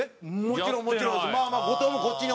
もちろんもちろんですよ。